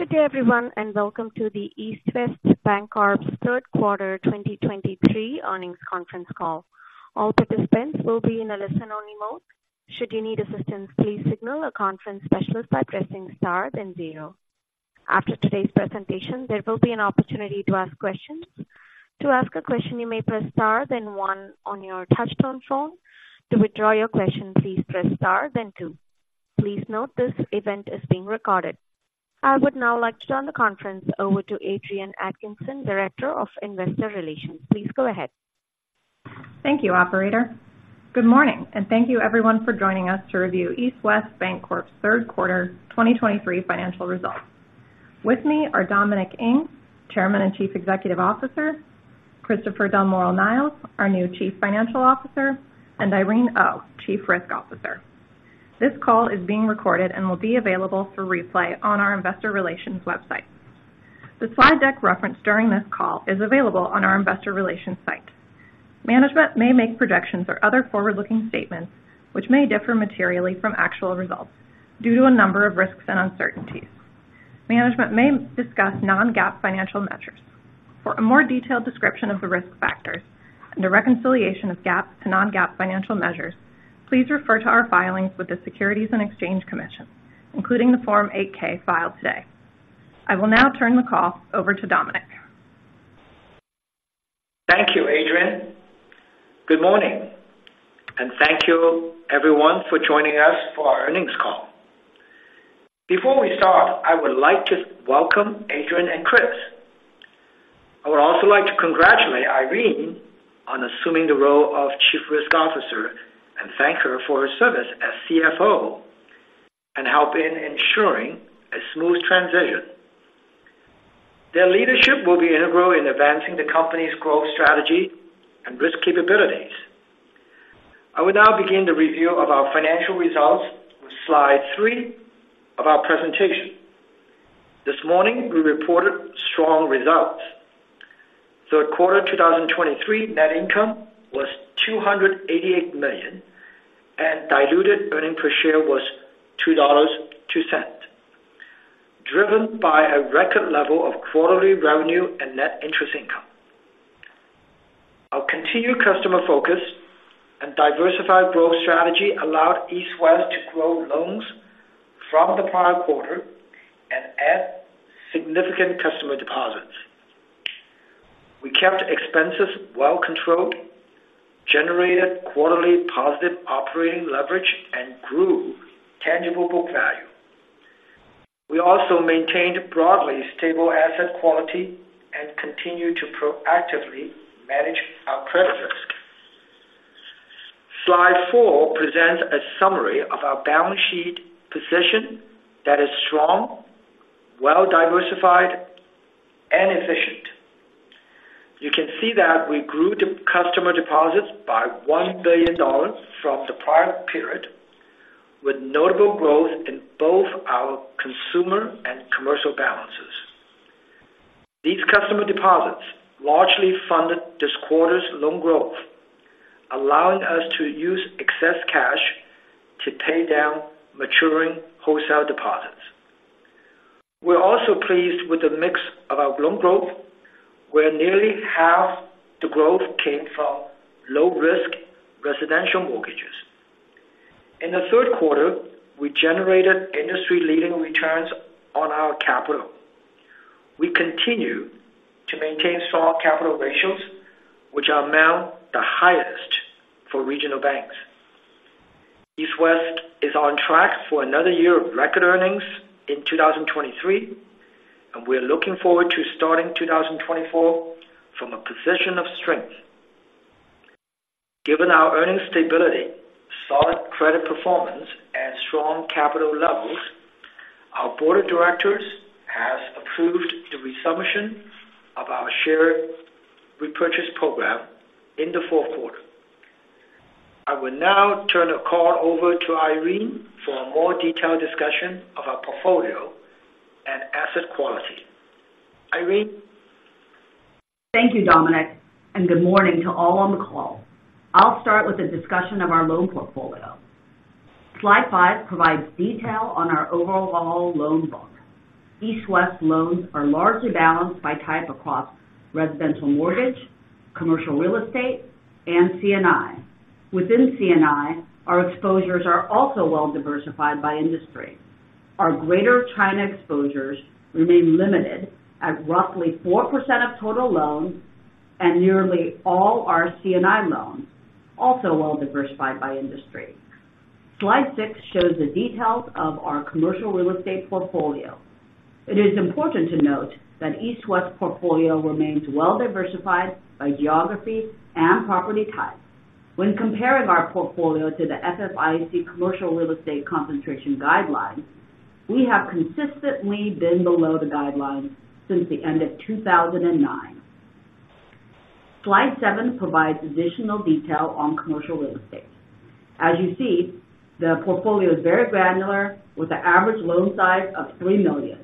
Good day, everyone, and welcome to the East West Bancorp's Q3 2023 earnings conference call. All participants will be in a listen-only mode. Should you need assistance, please signal a conference specialist by pressing star, then zero. After today's presentation, there will be an opportunity to ask questions. To ask a question, you may press star, then one on your touchtone phone. To withdraw your question, please press star, then two. Please note this event is being recorded. I would now like to turn the conference over to Adrienne Atkinson, Director of Investor Relations. Please go ahead. Thank you, operator. Good morning, and thank you everyone for joining us to review East West Bancorp's Q3 2023 financial results. With me are Dominic Ng, Chairman and Chief Executive Officer, Christopher Niles, our new Chief Financial Officer, and Irene Oh, Chief Risk Officer. This call is being recorded and will be available for replay on our investor relations website. The slide deck referenced during this call is available on our investor relations site. Management may make projections or other forward-looking statements which may differ materially from actual results due to a number of risks and uncertainties. Management may discuss non-GAAP financial metrics. For a more detailed description of the risk factors and a reconciliation of GAAP to non-GAAP financial measures, please refer to our filings with the Securities and Exchange Commission, including the Form 8-K filed today. I will now turn the call over to Dominic. Thank you, Adrienne. Good morning, and thank you everyone for joining us for our earnings call. Before we start, I would like to welcome Adrienne and Chris. I would also like to congratulate Irene on assuming the role of Chief Risk Officer and thank her for her service as CFO and help in ensuring a smooth transition. Their leadership will be integral in advancing the company's growth strategy and risk capabilities. I will now begin the review of our financial results on slide three of our presentation. This morning, we reported strong results. Q3 2023 net income was $288 million, and diluted earnings per share was $2.02, driven by a record level of quarterly revenue and net interest income. Our continued customer focus and diversified growth strategy allowed East West to grow loans from the prior quarter and add significant customer deposits. We kept expenses well controlled, generated quarterly positive operating leverage, and grew tangible book value. We also maintained broadly stable asset quality and continued to proactively manage our credit risk. Slide four presents a summary of our balance sheet position that is strong, well-diversified, and efficient. You can see that we grew the customer deposits by $1 billion from the prior period, with notable growth in both our consumer and commercial balances. These customer deposits largely funded this quarter's loan growth, allowing us to use excess cash to pay down maturing wholesale deposits. We're also pleased with the mix of our loan growth, where nearly half the growth came from low-risk residential mortgages. In the Q3, we generated industry-leading returns on our capital. We continue to maintain strong capital ratios, which are now the highest for regional banks. East West is on track for another year of record earnings in 2023, and we're looking forward to starting 2024 from a position of strength. Given our earnings stability, solid credit performance, and strong capital levels, our board of directors has approved the resumption of our share repurchase program in the Q4. I will now turn the call over to Irene for a more detailed discussion of our portfolio and asset quality. Irene? Thank you, Dominic, and good morning to all on the call. I'll start with a discussion of our loan portfolio. Slide five provides detail on our overall loan book. East West loans are largely balanced by type across residential mortgage, commercial real estate, and C&I. Within C&I, our exposures are also well diversified by industry. Our Greater China exposures remain limited at roughly 4% of total loans and nearly all our C&I loans, also well diversified by industry. Slide six shows the details of our commercial real estate portfolio. It is important to note that East West portfolio remains well diversified by geography and property type. When comparing our portfolio to the FFIEC Commercial Real Estate Concentration guidelines, we have consistently been below the guidelines since the end of 2009. Slide seven provides additional detail on commercial real estate. As you see, the portfolio is very granular, with an average loan size of $3 million.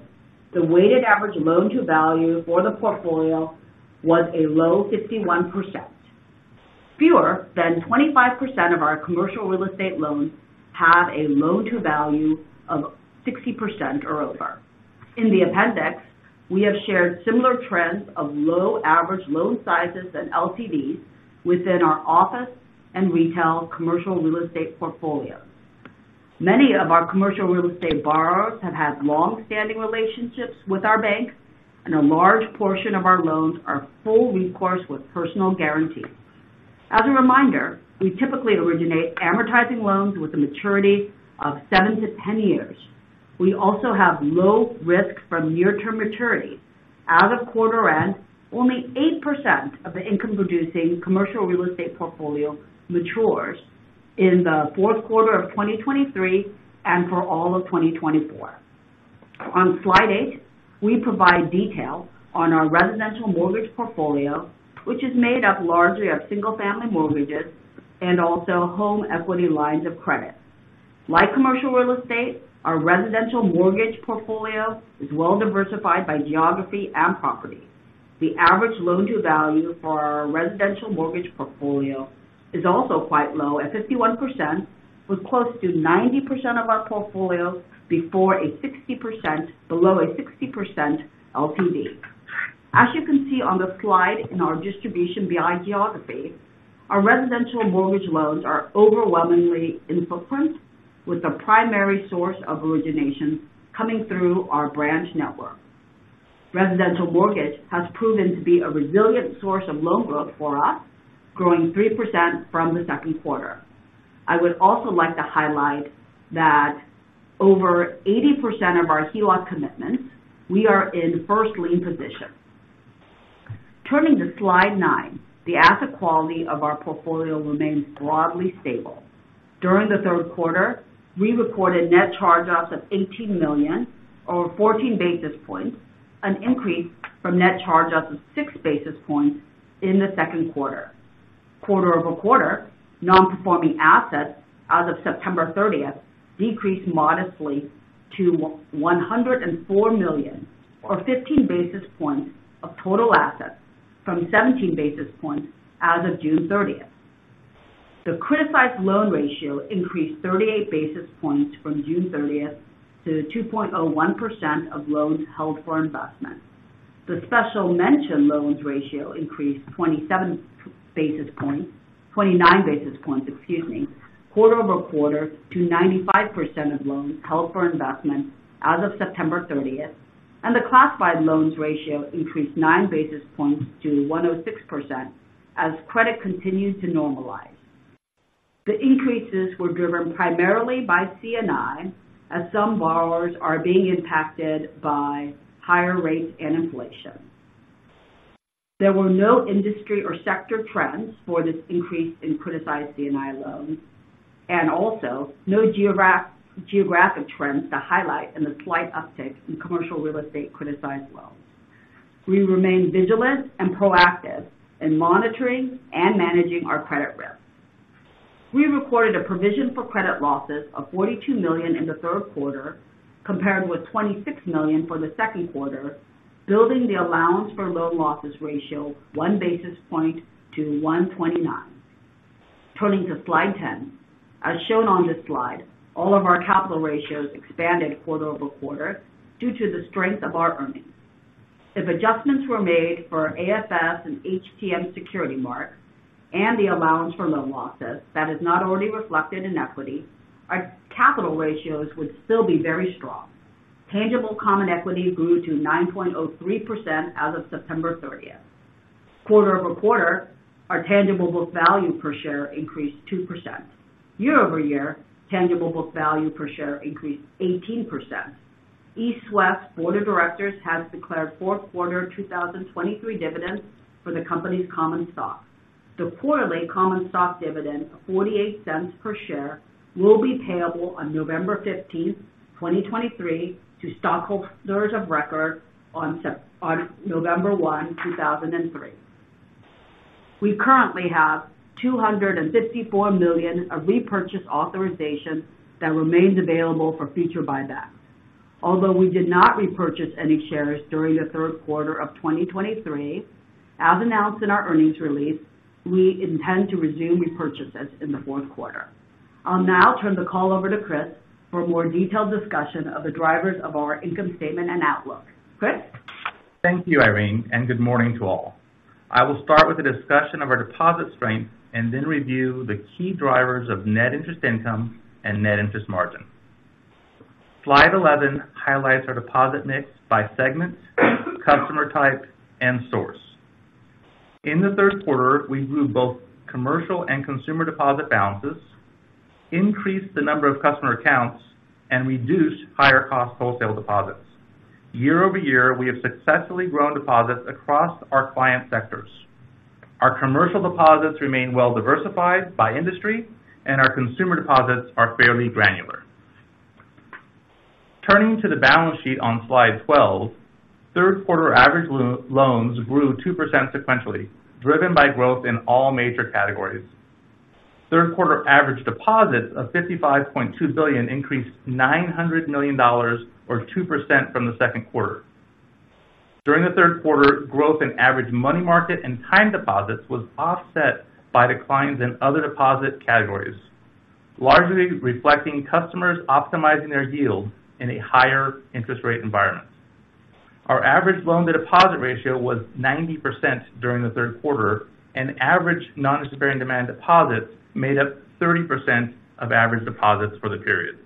The weighted average loan-to-value for the portfolio was a low 51%. Fewer than 25% of our commercial real estate loans have a loan-to-value of 60% or over. In the appendix, we have shared similar trends of low average loan sizes and LTVs within our office and retail commercial real estate portfolio. Many of our commercial real estate borrowers have had long-standing relationships with our bank, and a large portion of our loans are full recourse with personal guarantees. As a reminder, we typically originate amortizing loans with a maturity of 7-10 years. We also have low risk from near-term maturity. As of quarter end, only 8% of the income-producing commercial real estate portfolio matures in the Q4 of 2023 and for all of 2024. On slide eight, we provide detail on our residential mortgage portfolio, which is made up largely of single-family mortgages and also home equity lines of credit. Like commercial real estate, our residential mortgage portfolio is well diversified by geography and property. The average loan-to-value for our residential mortgage portfolio is also quite low, at 51%, with close to 90% of our portfolio below a 60% LTV. As you can see on the slide in our distribution by geography, our residential mortgage loans are overwhelmingly in footprint, with the primary source of origination coming through our branch network. Residential mortgage has proven to be a resilient source of loan growth for us, growing 3% from the Q2. I would also like to highlight that over 80% of our HELOC commitments, we are in first lien position. Turning to slide nine. The asset quality of our portfolio remains broadly stable. During the Q3, we recorded net charge-offs of $18 million or 14 basis points, an increase from net charge-offs of 6 basis points in the Q2. Quarter-over-quarter, non-performing assets as of September 30th decreased modestly to $104 million, or 15 basis points of total assets, from 17 basis points as of June 30th. The criticized loan ratio increased 38 basis points from June 30th to 2.01% of loans held for investment. The special mention loans ratio increased 27 basis points, 29 basis points, excuse me, quarter-over-quarter to 95% of loans held for investment as of September 30th, and the classified loans ratio increased 9 basis points to 1.06% as credit continues to normalize. The increases were driven primarily by C&I, as some borrowers are being impacted by higher rates and inflation. There were no industry or sector trends for this increase in criticized C&I loans, and also no geographic trends to highlight in the slight uptick in commercial real estate criticized loans. We remain vigilant and proactive in monitoring and managing our credit risk. We recorded a provision for credit losses of $42 million in the Q3, compared with $26 million for the Q2, building the allowance for loan losses ratio 1 basis point to 1.29. Turning to slide 10. As shown on this slide, all of our capital ratios expanded quarter-over-quarter due to the strength of our earnings. If adjustments were made for AFS and HTM security marks and the allowance for loan losses, that is not already reflected in equity, our capital ratios would still be very strong. Tangible common equity grew to 9.03% as of September 30th. Quarter-over-quarter, our tangible book value per share increased 2%. Year-over-year, tangible book value per share increased 18%. East West Board of Directors has declared Q4 of 2023 dividends for the company's common stock. The quarterly common stock dividend of $0.48 per share will be payable on November 15, 2023, to stockholders of record on November 1, 2023. We currently have $254 million of repurchase authorizations that remains available for future buybacks. Although we did not repurchase any shares during the Q3 of 2023, as announced in our earnings release, we intend to resume repurchases in the Q4. I'll now turn the call over to Chris for a more detailed discussion of the drivers of our income statement and outlook. Chris? Thank you, Irene, and good morning to all. I will start with a discussion of our deposit strength and then review the key drivers of net interest income and net interest margin. Slide 11 highlights our deposit mix by segment, customer type, and source. In the Q3, we grew both commercial and consumer deposit balances, increased the number of customer accounts, and reduced higher-cost wholesale deposits. Year-over-year, we have successfully grown deposits across our client sectors. Our commercial deposits remain well diversified by industry, and our consumer deposits are fairly granular. Turning to the balance sheet on slide 12, Q3 average loans grew 2% sequentially, driven by growth in all major categories. Q3 average deposits of $55.2 billion increased $900 million, or 2%, from the Q2. During the Q3, growth in average money market and time deposits was offset by declines in other deposit categories, largely reflecting customers optimizing their yield in a higher interest rate environment. Our average loan-to-deposit ratio was 90% during the Q3, and average non-interest bearing demand deposits made up 30% of average deposits for the period.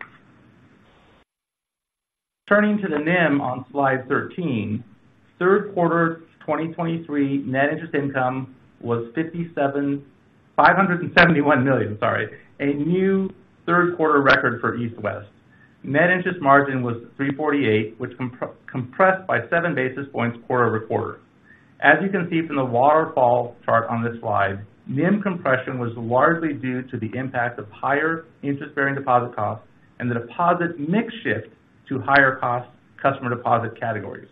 Turning to the NIM on slide 13, Q3 2023 net interest income was $571 million, sorry, a new Q3 record for East West. Net interest margin was 3.48%, which compressed by seven basis points quarter-over-quarter. As you can see from the waterfall chart on this slide, NIM compression was largely due to the impact of higher interest-bearing deposit costs and the deposit mix shift to higher cost customer deposit categories,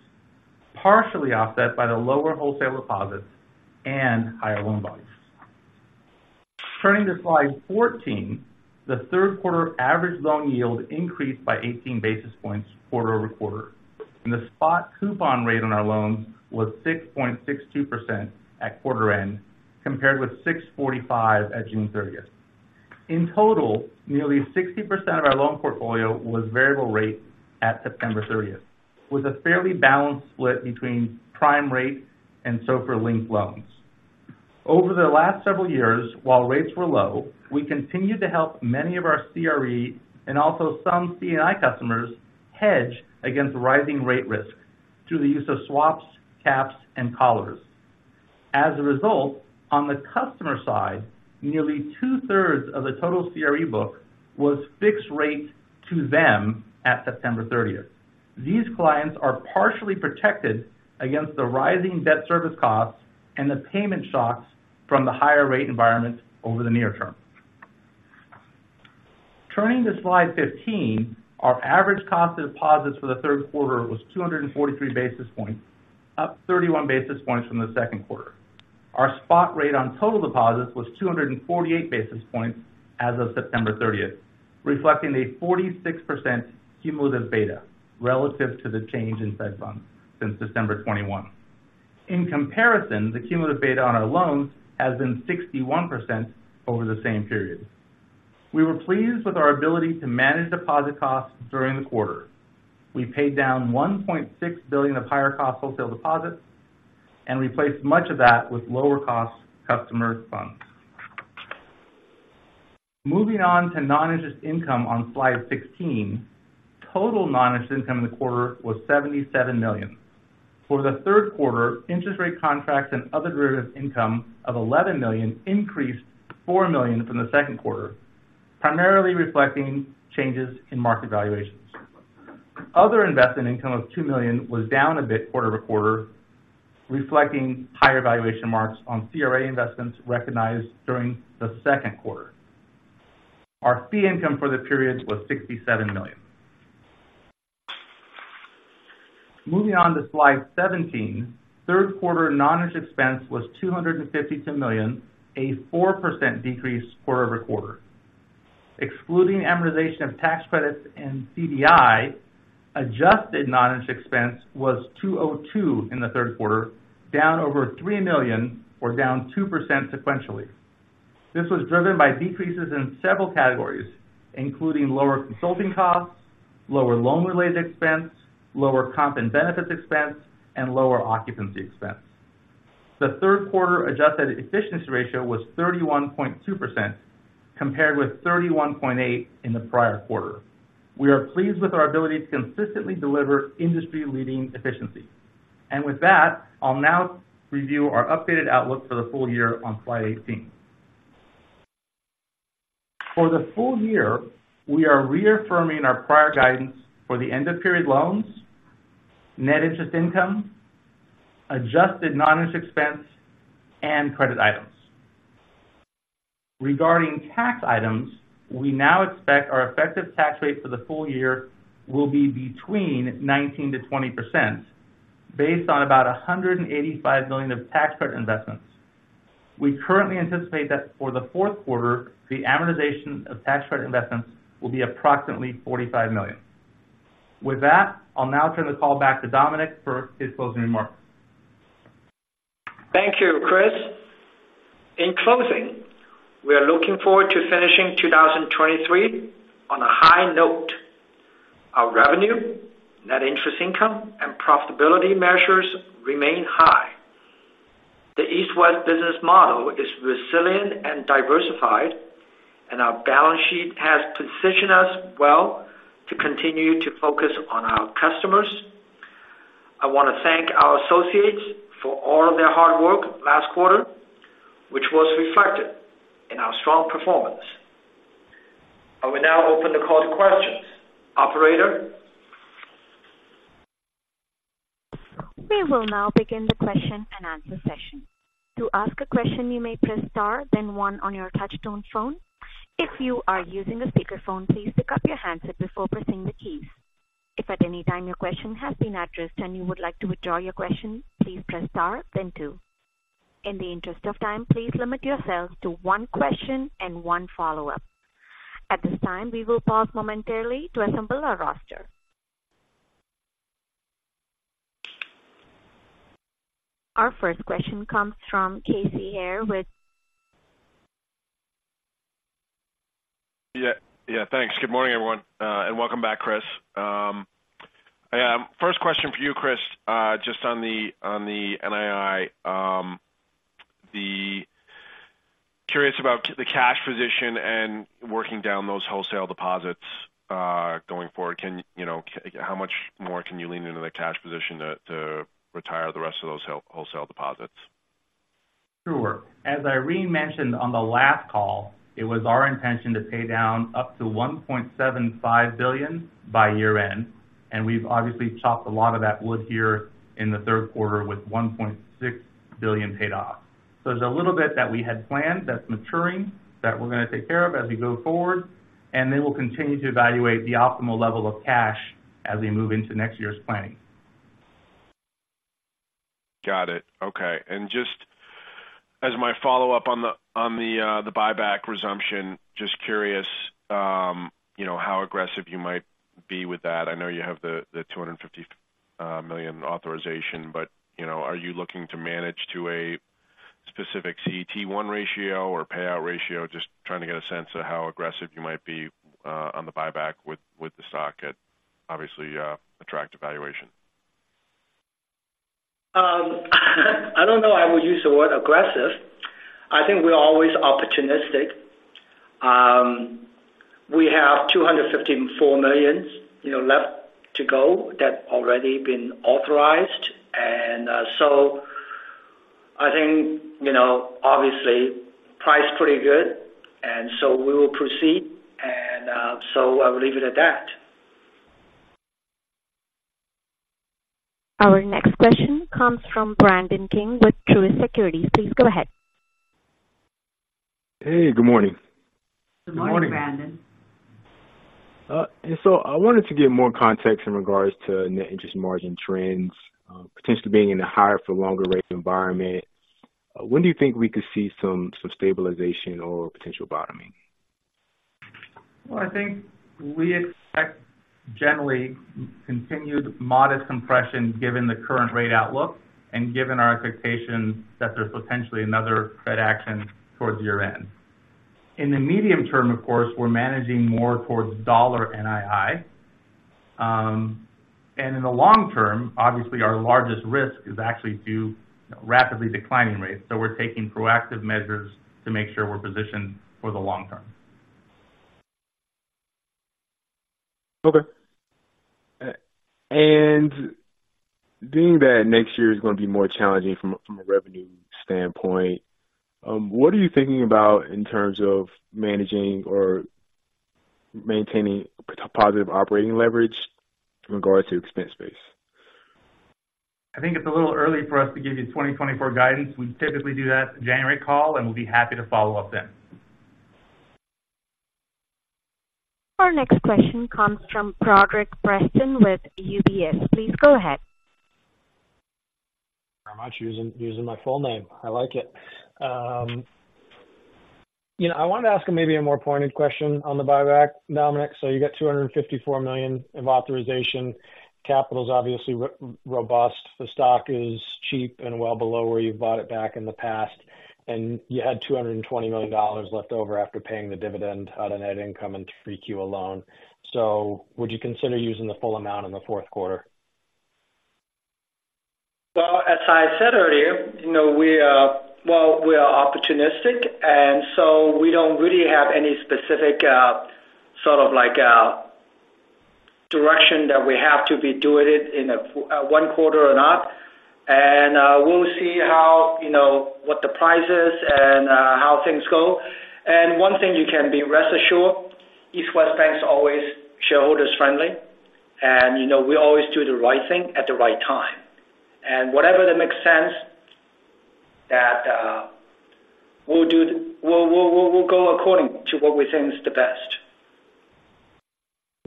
partially offset by the lower wholesale deposits and higher loan volumes. Turning to slide 14, the Q3 average loan yield increased by 18 basis points quarter-over-quarter, and the spot coupon rate on our loans was 6.62% at quarter end, compared with 6.45 at June 30th. In total, nearly 60% of our loan portfolio was variable rate at September 30th, with a fairly balanced split between prime rate and SOFR-linked loans. Over the last several years, while rates were low, we continued to help many of our CRE and also some C&I customers hedge against rising rate risk through the use of swaps, caps, and collars. As a result, on the customer side, nearly two-thirds of the total CRE book was fixed rate to them at September 30th. These clients are partially protected against the rising debt service costs and the payment shocks from the higher rate environment over the near term. Turning to slide 15, our average cost of deposits for the Q3 was 243 basis points, up 31 basis points from the Q2. Our spot rate on total deposits was 248 basis points as of September 30th, reflecting a 46% cumulative beta relative to the change in Fed Funds since December of 2021. In comparison, the cumulative beta on our loans has been 61% over the same period. We were pleased with our ability to manage deposit costs during the quarter. We paid down $1.6 billion of higher cost wholesale deposits and replaced much of that with lower cost customer funds. Moving on to non-interest income on slide 16, total non-interest income in the quarter was $77 million. For the Q3, interest rate contracts and other derivative income of $11 million increased $4 million from the Q2, primarily reflecting changes in market valuations. Other investment income of $2 million was down a bit quarter-over-quarter, reflecting higher valuation marks on CRA investments recognized during the Q2. Our fee income for the period was $67 million. Moving on to slide 17, Q3 non-interest expense was $252 million, a 4% decrease quarter-over-quarter. Excluding amortization of tax credits and CDI, adjusted non-interest expense was $202 million in the Q3, down over $3 million, or down 2% sequentially. This was driven by decreases in several categories, including lower consulting costs, lower loan-related expense, lower comp and benefits expense, and lower occupancy expense. The Q3 adjusted efficiency ratio was 31.2%, compared with 31.8% in the prior quarter. We are pleased with our ability to consistently deliver industry-leading efficiency. And with that, I'll now review our updated outlook for the full year on slide 18. For the full year, we are reaffirming our prior guidance for the end-of-period loans, net interest income, adjusted non-interest expense, and credit items. Regarding tax items, we now expect our effective tax rate for the full year will be between 19%-20%, based on about $185 million of tax credit investments. We currently anticipate that for the Q4, the amortization of tax credit investments will be approximately $45 million. With that, I'll now turn the call back to Dominic for his closing remarks. Thank you, Chris. In closing, we are looking forward to finishing 2023 on a high note. Our revenue, net interest income, and profitability measures remain high. The East West business model is resilient and diversified, and our balance sheet has positioned us well to continue to focus on our customers. I want to thank our associates for all of their hard work last quarter, which was reflected in our strong performance. I will now open the call to questions. Operator? We will now begin the question-and-answer session. To ask a question, you may press star, then one on your touchtone phone. If you are using a speakerphone, please pick up your handset before pressing the keys. If at any time your question has been addressed and you would like to withdraw your question, please press star then two. In the interest of time, please limit yourselves to one question and one follow-up. At this time, we will pause momentarily to assemble our roster. Our first question comes from Casey Haire with- Yeah. Yeah, thanks. Good morning, everyone, and welcome back, Chris. Yeah, first question for you, Chris, just on the NII. Curious about the cash position and working down those wholesale deposits, going forward. Can, you know, how much more can you lean into the cash position to retire the rest of those wholesale deposits? Sure. As Irene mentioned on the last call, it was our intention to pay down up to $1.75 billion by year-end, and we've obviously chopped a lot of that wood here in the Q3 with $1.6 billion paid off. So there's a little bit that we had planned that's maturing, that we're gonna take care of as we go forward, and then we'll continue to evaluate the optimal level of cash as we move into next year's planning. Got it. Okay. Just as my follow-up on the buyback resumption, just curious, you know, how aggressive you might be with that. I know you have the $250 million authorization, but, you know, are you looking to manage to a specific CET1 ratio or payout ratio? Just trying to get a sense of how aggressive you might be on the buyback with the stock at obviously attractive valuation. I don't know, I would use the word aggressive. I think we're always opportunistic. We have $254 million, you know, left to go that already been authorized. So I think, you know, obviously, price pretty good, and so we will proceed. So I will leave it at that. Our next question comes from Brandon King with Truist Securities. Please go ahead. Hey, good morning. Good morning. Good morning, Brandon So I wanted to get more context in regards to net interest margin trends, potentially being in a higher for longer rate environment. When do you think we could see some stabilization or potential bottoming? Well, I think we expect generally continued modest compression given the current rate outlook and given our expectation that there's potentially another Fed action towards year-end. In the medium term, of course, we're managing more towards dollar NII. And in the long term, obviously our largest risk is actually to rapidly declining rates, so we're taking proactive measures to make sure we're positioned for the long term. Okay. And being that next year is going to be more challenging from a, from a revenue standpoint, what are you thinking about in terms of managing or maintaining positive operating leverage in regards to expense base? I think it's a little early for us to give you 2024 guidance. We typically do that January call, and we'll be happy to follow up then. Our next question comes from Broderick Preston with UBS. Please go ahead. Very much using my full name. I like it. You know, I wanted to ask maybe a more pointed question on the buyback, Dominic. So you got $254 million of authorization. Capital is obviously robust. The stock is cheap and well below where you bought it back in the past, and you had $220 million left over after paying the dividend out of net income in Q3 alone. So would you consider using the full amount in the Q4? Well, as I said earlier, you know, we are... Well, we are opportunistic, and so we don't really have any specific sort of like a direction that we have to be doing it in a one quarter or not. And we'll see how, you know, what the price is and how things go. And one thing you can be rest assured, East West Bank is always shareholders friendly, and, you know, we always do the right thing at the right time. And whatever that makes sense, that we'll do. We'll go according to what we think is the best.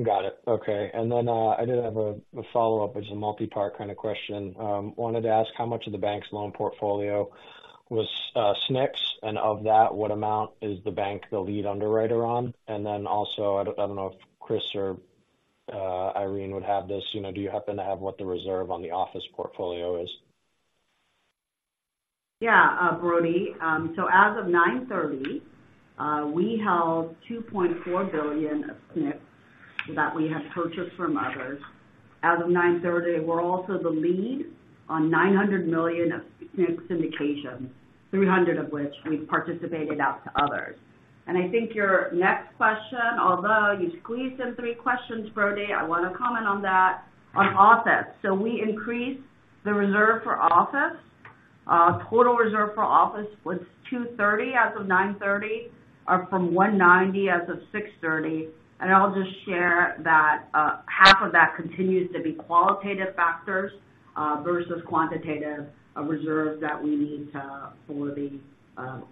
Got it. Okay. And then, I did have a follow-up. It's a multi-part kind of question. Wanted to ask, how much of the bank's loan portfolio was SNCs? And of that, what amount is the bank the lead underwriter on? And then also, I don't know if Chris or Irene would have this. You know, do you happen to have what the reserve on the office portfolio is? Yeah, Brody. So as of September 30, we held $2.4 billion of SNCs that we have purchased from others. As of September 30, we're also the lead on $900 million of SNCs syndications, $300 million of which we've participated out to others. And I think your next question, although you squeezed in three questions, Brody, I want to comment on that, on office. So we increased the reserve for office. Total reserve for office was $230 million as of September 30, from $190 million as of 6/30. And I'll just share that, half of that continues to be qualitative factors, versus quantitative, reserves that we need to, for the,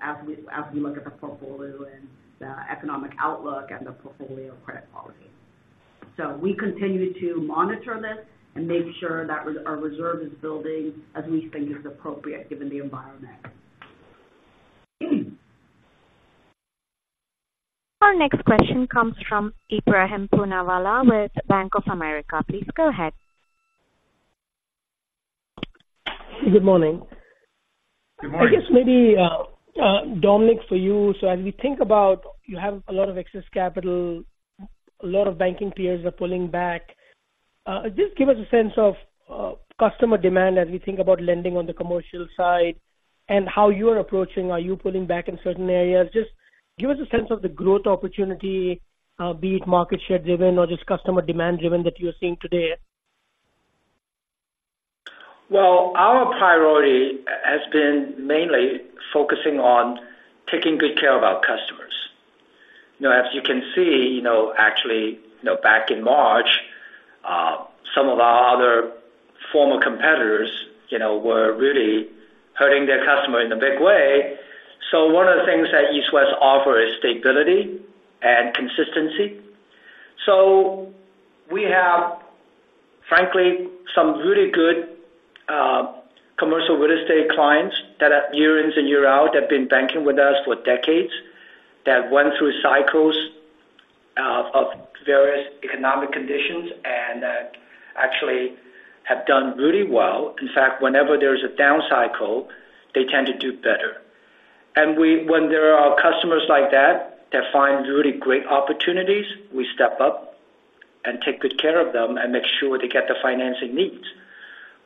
as we, as we look at the portfolio and the economic outlook and the portfolio credit quality. So we continue to monitor this and make sure that our reserve is building as we think is appropriate given the environment. Our next question comes from Ebrahim Poonawala with Bank of America. Please go ahead. Good morning. Good morning. I guess maybe, Dominic, for you. So as we think about, you have a lot of excess capital, a lot of banking peers are pulling back. Just give us a sense of customer demand as we think about lending on the commercial side and how you're approaching. Are you pulling back in certain areas? Just give us a sense of the growth opportunity, be it market share driven or just customer demand driven, that you're seeing today. Well, our priority has been mainly focusing on taking good care of our customers. You know, as you can see, you know, actually, you know, back in March, some of our other former competitors, you know, were really hurting their customer in a big way. So one of the things that East West offer is stability and consistency. So we have, frankly, some really good, commercial real estate clients that have year in and year out, have been banking with us for decades, that went through cycles, of various economic conditions and, actually have done really well. In fact, whenever there is a down cycle, they tend to do better. And we, when there are customers like that, that find really great opportunities, we step up and take good care of them and make sure they get the financing needs.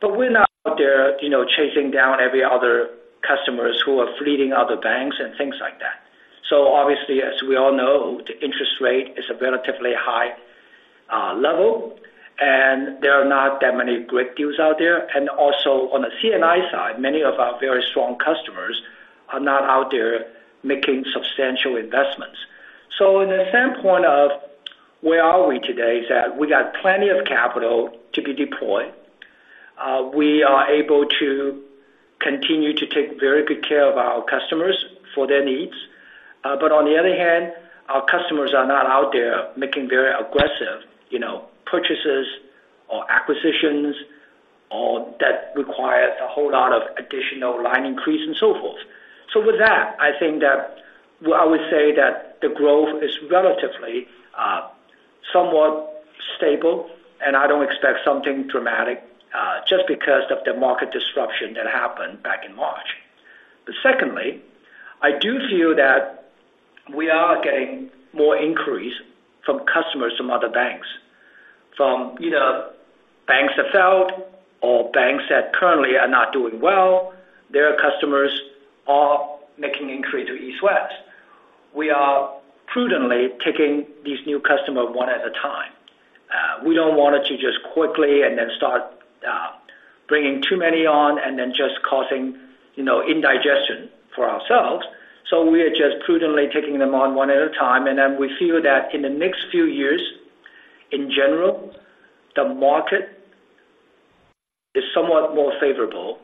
But we're not out there, you know, chasing down every other customers who are fleeing other banks and things like that. So obviously, as we all know, the interest rate is a relatively high level, and there are not that many great deals out there. And also on the C&I side, many of our very strong customers are not out there making substantial investments. So in the standpoint of where are we today, is that we got plenty of capital to be deployed. We are able to continue to take very good care of our customers for their needs. But on the other hand, our customers are not out there making very aggressive, you know, purchases or acquisitions or that require a whole lot of additional line increase and so forth. So with that, I think that, well, I would say that the growth is relatively, somewhat stable, and I don't expect something dramatic, just because of the market disruption that happened back in March. But secondly, I do feel that we are getting more inquiries from customers from other banks, from either banks that failed or banks that currently are not doing well, their customers are making inquiry to East West. We are prudently taking these new customer one at a time. We don't want it to just quickly and then start, bringing too many on and then just causing, you know, indigestion for ourselves. We are just prudently taking them on one at a time, and then we feel that in the next few years, in general, the market is somewhat more favorable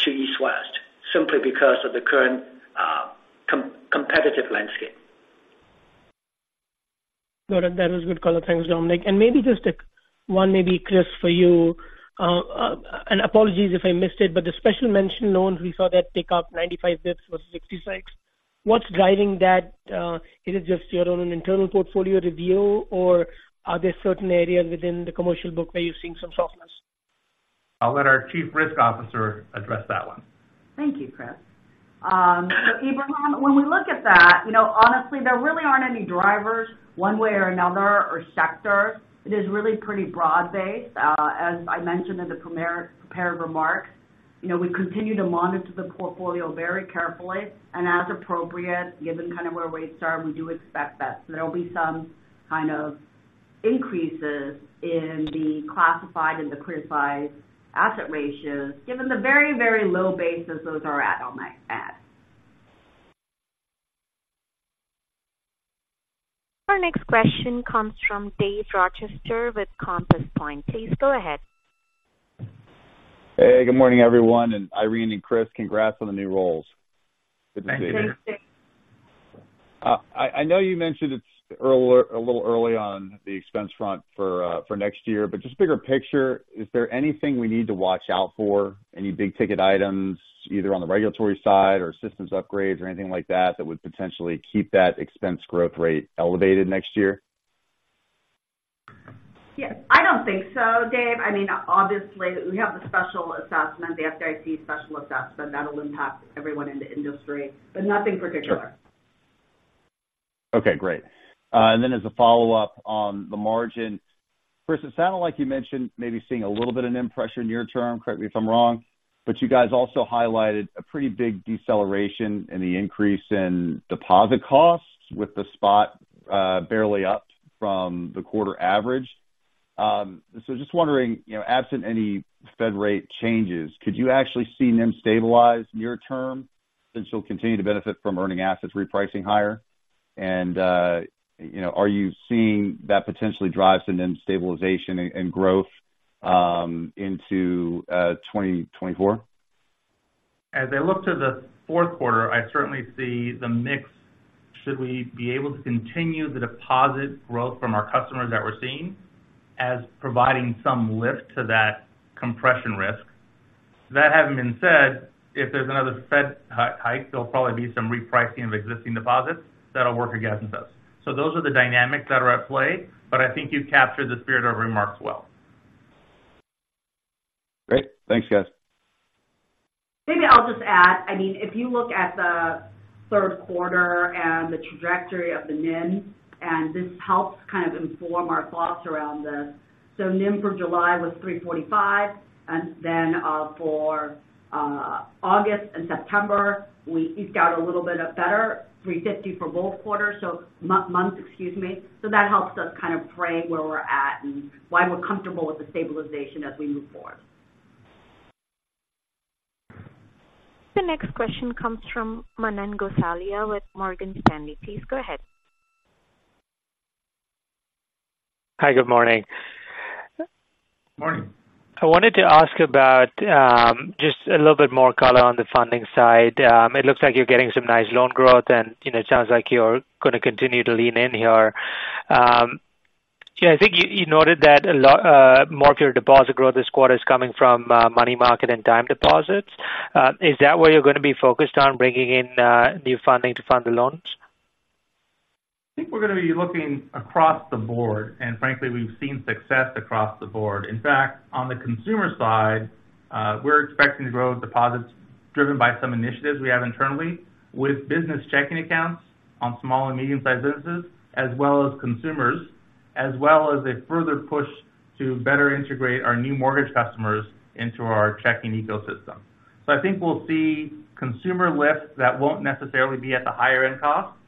to East West, simply because of the current competitive landscape. Got it. That was good color. Thanks, Dominic. And maybe just a one, maybe, Chris, for you. And apologies if I missed it, but the Special Mention loans, we saw that tick up 95 basis points versus 66. What's driving that? Is it just your own internal portfolio review, or are there certain areas within the commercial book where you're seeing some softness? I'll let our Chief Risk Officer address that one. Thank you, Chris. So Ebrahim, when we look at that, you know, honestly, there really aren't any drivers one way or another, or sector. It is really pretty broad-based. As I mentioned in the prepared remarks, you know, we continue to monitor the portfolio very carefully and as appropriate, given kind of where rates are, we do expect that there will be some kind of increases in the classified and the criticized asset ratios, given the very, very low basis those are at on my end. Our next question comes from Dave Rochester with Compass Point. Please go ahead. Hey, good morning, everyone, and Irene and Chris, congrats on the new roles. Good to see you. Thank you. Thanks. I know you mentioned it's a little early on the expense front for next year, but just bigger picture, is there anything we need to watch out for? Any big-ticket items, either on the regulatory side or systems upgrades or anything like that, that would potentially keep that expense growth rate elevated next year? Yeah, I don't think so, Dave. I mean, obviously, we have the special assessment, the FDIC special assessment that'll impact everyone in the industry, but nothing particular. Sure. Okay, great. And then as a follow-up on the margin, Chris, it sounded like you mentioned maybe seeing a little bit of NIM pressure near term. Correct me if I'm wrong, but you guys also highlighted a pretty big deceleration in the increase in deposit costs, with the spot barely up from the quarter average. So just wondering, you know, absent any Fed rate changes, could you actually see NIM stabilize near term since you'll continue to benefit from earning assets repricing higher? And, you know, are you seeing that potentially drive some NIM stabilization and, and growth into 2024? As I look to the Q4, I certainly see the mix, should we be able to continue the deposit growth from our customers that we're seeing, as providing some lift to that compression risk. That having been said, if there's another Fed hike, there'll probably be some repricing of existing deposits that'll work against us. So those are the dynamics that are at play, but I think you've captured the spirit of remarks well. Great. Thanks, guys. Maybe I'll just add, I mean, if you look at the Q3 and the trajectory of the NIM, and this helps kind of inform our thoughts around this. So NIM for July was 3.45%, and then, for August and September, we eked out a little bit of better, 3.50% for both months, excuse me. So that helps us kind of frame where we're at and why we're comfortable with the stabilization as we move forward. The next question comes from Manan Gosalia with Morgan Stanley. Please go ahead. Hi, good morning. Morning. I wanted to ask about just a little bit more color on the funding side. It looks like you're getting some nice loan growth, and, you know, it sounds like you're going to continue to lean in here. Yeah, I think you noted that more of your deposit growth this quarter is coming from money market and time deposits. Is that where you're going to be focused on bringing in new funding to fund the loans? I think we're going to be looking across the board, and frankly, we've seen success across the board. In fact, on the consumer side, we're expecting to grow deposits driven by some initiatives we have internally, with business checking accounts on small and medium-sized businesses, as well as consumers, as well as a further push to better integrate our new mortgage customers into our checking ecosystem. I think we'll see consumer lift that won't necessarily be at the higher end cost,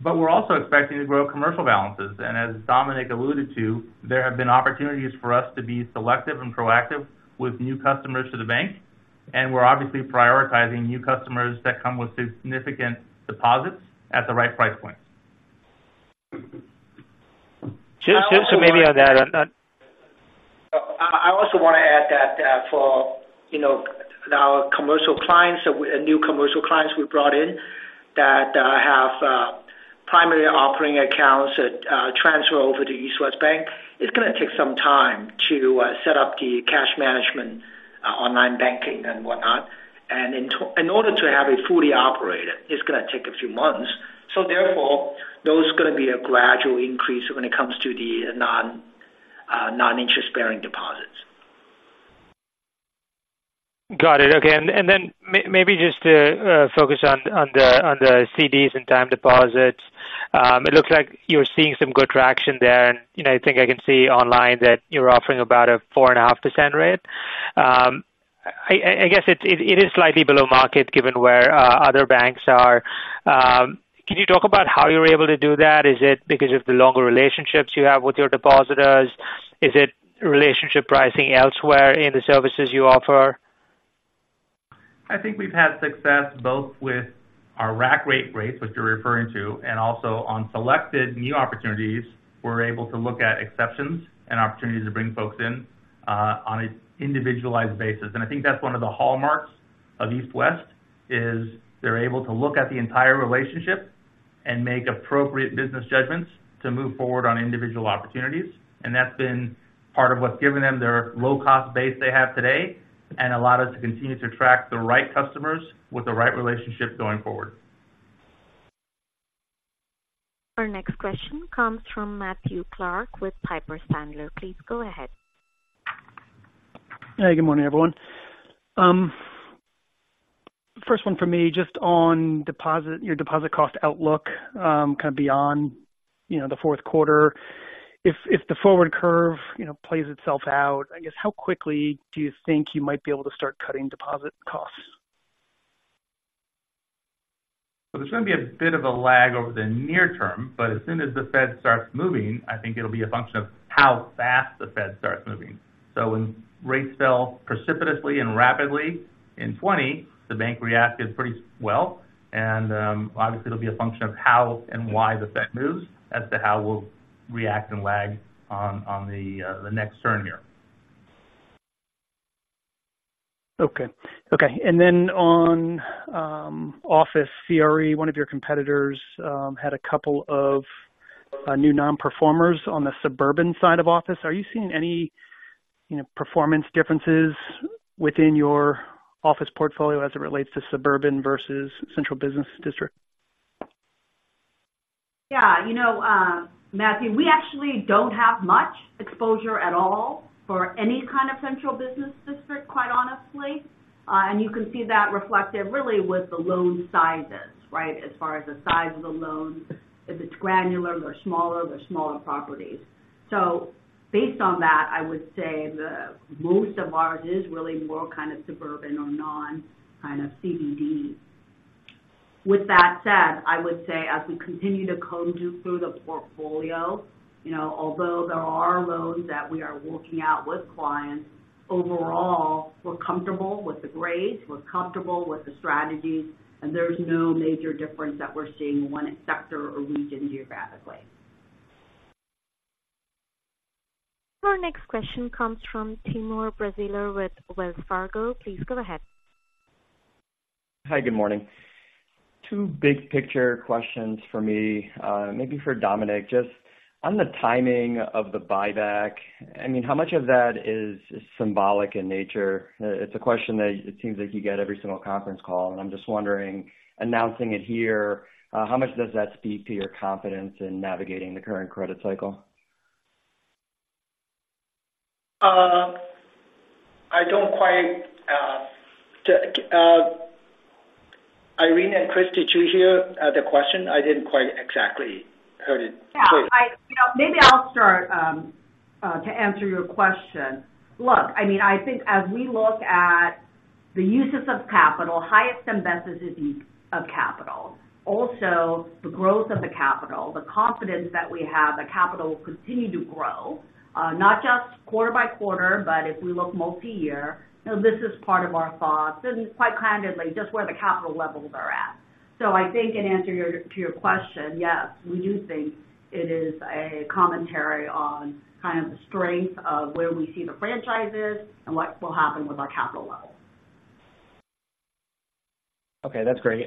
but we're also expecting to grow commercial balances. As Dominic alluded to, there have been opportunities for us to be selective and proactive with new customers to the bank, and we're obviously prioritizing new customers that come with significant deposits at the right price point. Just maybe on that. I also want to add that, for you know, our commercial clients, so and new commercial clients we brought in, that have primary operating accounts that transfer over to East West Bank, it's going to take some time to set up the cash management, online banking and whatnot. And in order to have it fully operated, it's going to take a few months. So therefore, those are going to be a gradual increase when it comes to the non-interest bearing deposits. Got it. Okay. And then maybe just to focus on the CDs and time deposits. It looks like you're seeing some good traction there. And, you know, I think I can see online that you're offering about a 4.5% rate. I guess it is slightly below market given where other banks are. Can you talk about how you're able to do that? Is it because of the longer relationships you have with your depositors? Is it relationship pricing elsewhere in the services you offer? I think we've had success both with our rack rate rates, which you're referring to, and also on selected new opportunities, we're able to look at exceptions and opportunities to bring folks in, on an individualized basis. And I think that's one of the hallmarks of East West, is they're able to look at the entire relationship and make appropriate business judgments to move forward on individual opportunities. And that's been part of what's given them their low-cost base they have today, and allowed us to continue to attract the right customers with the right relationship going forward. Our next question comes from Matthew Clark with Piper Sandler. Please go ahead. Hey, good morning, everyone. First one for me, just on deposit, your deposit cost outlook, kind of beyond, you know, the Q4. If the forward curve, you know, plays itself out, I guess, how quickly do you think you might be able to start cutting deposit costs? So there's going to be a bit of a lag over the near term, but as soon as the Fed starts moving, I think it'll be a function of how fast the Fed starts moving. So when rates fell precipitously and rapidly in 2020, the bank reacted pretty well. And, obviously, it'll be a function of how and why the Fed moves as to how we'll react and lag on the next turn here. Okay. Okay, and then on office CRE, one of your competitors had a couple of new non-performing on the suburban side of office. Are you seeing any, you know, performance differences within your office portfolio as it relates to suburban versus central business district? Yeah, you know, Matthew, we actually don't have much exposure at all for any kind of central business district, quite honestly. And you can see that reflected really with the loan sizes, right? As far as the size of the loans, if it's granular, they're smaller, they're smaller properties. So based on that, I would say the most of ours is really more kind of suburban or non kind of CBD. With that said, I would say as we continue to comb through the portfolio, you know, although there are loans that we are working out with clients, overall, we're comfortable with the grades, we're comfortable with the strategies, and there's no major difference that we're seeing one sector or region geographically. Our next question comes from Timur Braziler with Wells Fargo. Please go ahead. Hi, good morning. Two big picture questions for me, maybe for Dominic. Just on the timing of the buyback, I mean, how much of that is symbolic in nature? It's a question that it seems like you get every single conference call, and I'm just wondering, announcing it here, how much does that speak to your confidence in navigating the current credit cycle? I don't quite... Irene and Chris, did you hear the question? I didn't quite exactly heard it. Yeah, you know, maybe I'll start to answer your question. Look, I mean, I think as we look at the uses of capital, highest and best uses of capital, also the growth of the capital, the confidence that we have the capital will continue to grow, not just quarter by quarter, but if we look multi-year, you know, this is part of our thoughts and quite candidly, just where the capital levels are at. So I think in answer to your question, yes, we do think it is a commentary on kind of the strength of where we see the franchises and what will happen with our capital levels. Okay, that's great.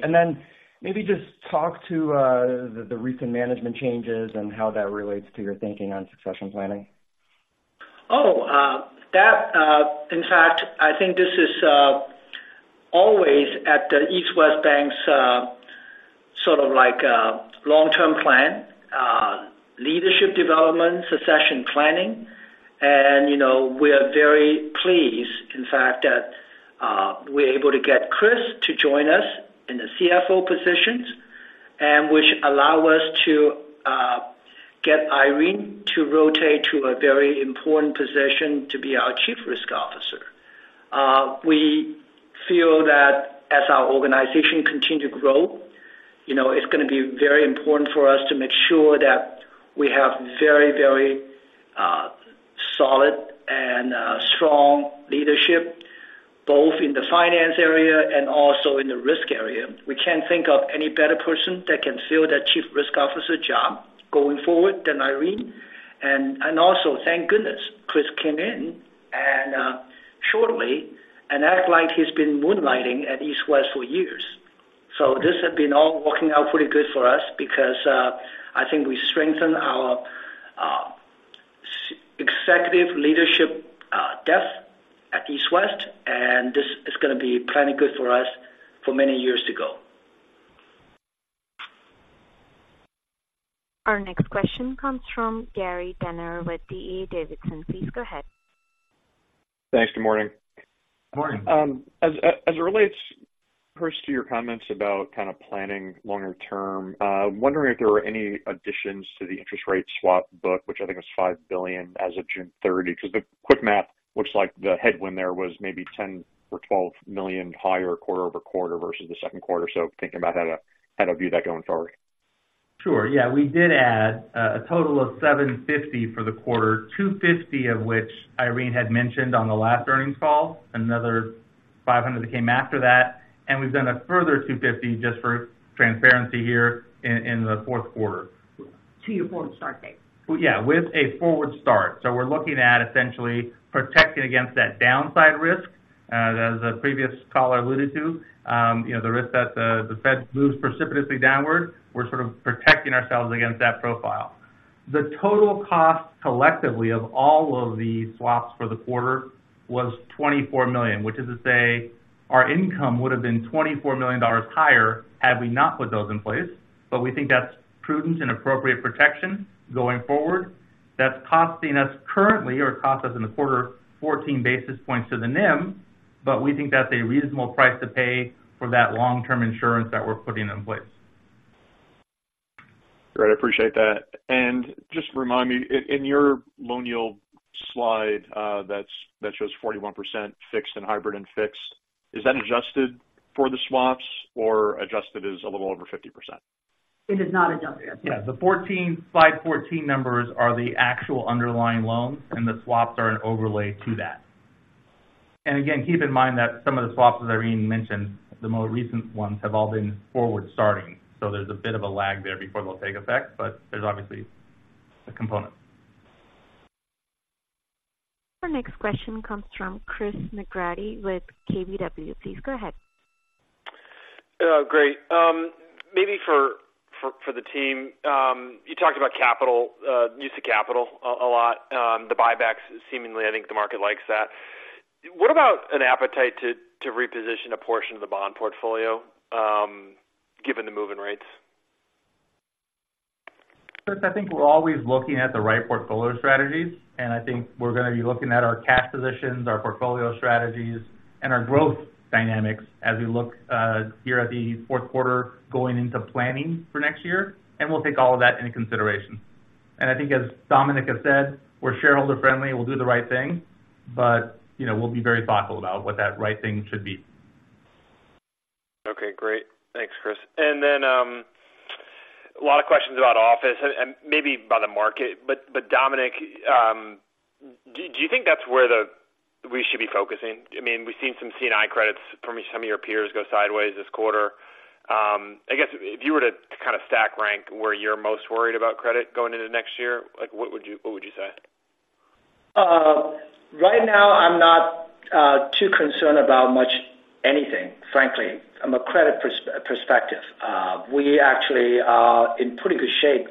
Maybe just talk to the recent management changes and how that relates to your thinking on succession planning. In fact, I think this is always at the East West Bank's sort of like long-term plan, leadership development, succession planning. You know, we are very pleased, in fact, that we're able to get Chris to join us in the CFO positions, and which allow us to get Irene to rotate to a very important position to be our Chief Risk Officer. We feel that as our organization continue to grow, you know, it's going to be very important for us to make sure that we have very, very solid and strong leadership, both in the finance area and also in the risk area. We can't think of any better person that can fill that Chief Risk Officer job going forward than Irene. Also, thank goodness, Chris came in and shortly and act like he's been moonlighting at East West for years. So this has been all working out pretty good for us because I think we strengthen our executive leadership depth at East West, and this is going to be plenty good for us for many years to go. Our next question comes from Gary Tenner with D.A. Davidson. Please go ahead. Thanks. Good morning. Good morning. As it relates first to your comments about kind of planning longer term, wondering if there were any additions to the interest rate swap book, which I think was $5 billion as of June 30, because the quick math looks like the headwind there was maybe $10 million or $12 million higher quarter-over-quarter versus the Q2. So thinking about how to view that going forward. Sure. Yeah, we did add a total of $750 for the quarter, $250 of which Irene had mentioned on the last earnings call, another $500 that came after that, and we've done a further $250, just for transparency here, in the Q4. To your forward start date. Yeah, with a forward start. So we're looking at essentially protecting against that downside risk, as the previous caller alluded to. You know, the risk that the, the Fed moves precipitously downward. We're sort of protecting ourselves against that profile. The total cost collectively of all of the swaps for the quarter was $24 million, which is to say our income would have been $24 million higher had we not put those in place. But we think that's prudent and appropriate protection going forward. That's costing us currently, or cost us in the quarter, 14 basis points to the NIM, but we think that's a reasonable price to pay for that long-term insurance that we're putting in place. Great. I appreciate that. And just remind me, in your loan yield slide, that shows 41% fixed and hybrid and fixed. Is that adjusted for the swaps or adjusted as a little over 50%? It is not adjusted. Yeah, the 14, slide 14 numbers are the actual underlying loans, and the swaps are an overlay to that. And again, keep in mind that some of the swaps, as Irene mentioned, the more recent ones, have all been forward starting. So there's a bit of a lag there before they'll take effect, but there's obviously a component. Our next question comes from Chris McGratty with KBW. Please go ahead. Great. Maybe for the team. You talked about capital use of capital a lot, the buybacks, seemingly, I think the market likes that. What about an appetite to reposition a portion of the bond portfolio, given the move in rates? Chris, I think we're always looking at the right portfolio strategies, and I think we're going to be looking at our cash positions, our portfolio strategies, and our growth dynamics as we look here at the Q4 going into planning for next year, and we'll take all of that into consideration. I think as Dominic has said, we're shareholder friendly, we'll do the right thing, but, you know, we'll be very thoughtful about what that right thing should be. Okay, great. Thanks, Chris. And then, a lot of questions about office and maybe by the market, but Dominic, do you think that's where we should be focusing? I mean, we've seen some C&I credits from some of your peers go sideways this quarter. I guess if you were to kind of stack rank where you're most worried about credit going into next year, like, what would you say? Right now, I'm not too concerned about much anything, frankly, from a credit perspective. We actually are in pretty good shape.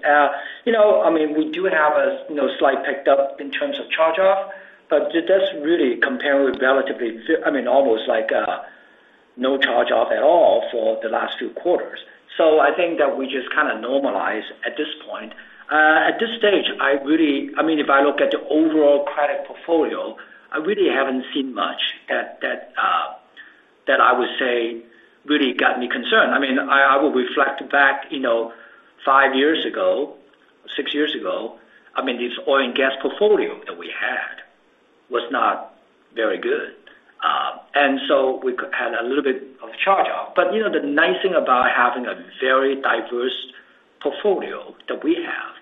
You know, I mean, we do have a, you know, slight tick up in terms of charge-off, but that's really comparatively, relatively, I mean, almost like no charge-off at all for the last few quarters. So I think that we just kind of normalize at this point. At this stage, I really—I mean, if I look at the overall credit portfolio, I really haven't seen much that I would say really got me concerned. I mean, I would reflect back, you know, five years ago, six years ago, I mean, this oil and gas portfolio that we had was not very good. And so we had a little bit of charge-off. But, you know, the nice thing about having a very diverse portfolio that we have,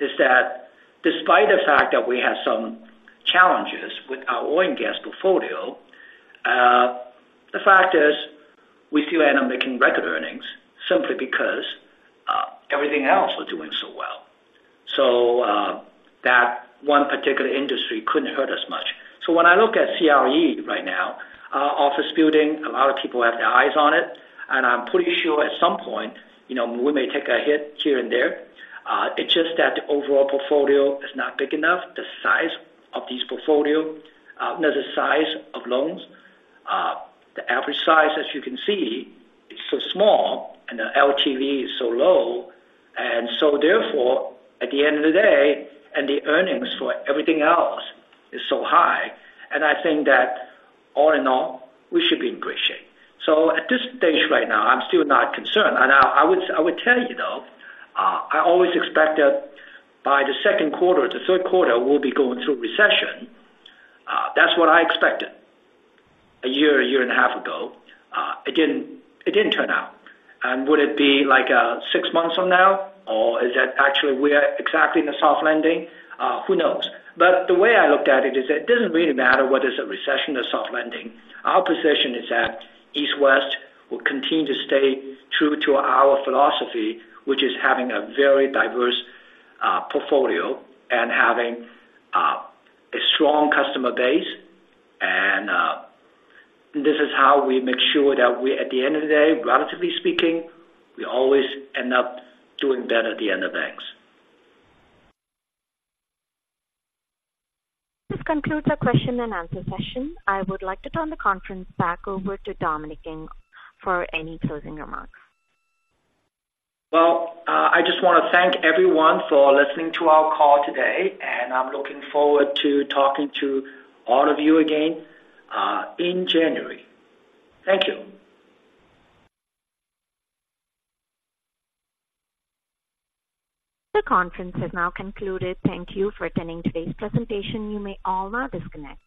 is that despite the fact that we had some challenges with our oil and gas portfolio, the fact is, we still end up making record earnings simply because, everything else was doing so well. So, that one particular industry couldn't hurt us much. So when I look at CRE right now, office building, a lot of people have their eyes on it, and I'm pretty sure at some point, you know, we may take a hit here and there. It's just that the overall portfolio is not big enough. The size of this portfolio, the size of loans, the average size, as you can see, is so small and the LTV is so low. And so therefore, at the end of the day, and the earnings for everything else is so high, and I think that all in all, we should be in great shape. So at this stage, right now, I'm still not concerned. And I would tell you, though, I always expect that by the Q2 or the Q3, we'll be going through a recession. That's what I expected a year, a year and a half ago. It didn't turn out. And would it be like six months from now, or is it actually we are exactly in a soft landing? Who knows? But the way I looked at it is, it doesn't really matter whether it's a recession or soft landing. Our position is that East West will continue to stay true to our philosophy, which is having a very diverse portfolio and having a strong customer base. This is how we make sure that we, at the end of the day, relatively speaking, we always end up doing better at the end of X. This concludes our question and answer session. I would like to turn the conference back over to Dominic Ng for any closing remarks. Well, I just want to thank everyone for listening to our call today, and I'm looking forward to talking to all of you again, in January. Thank you. The conference has now concluded. Thank you for attending today's presentation. You may all now disconnect.